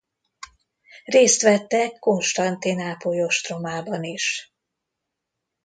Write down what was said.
Részt vettek Konstantinápoly ostromában is.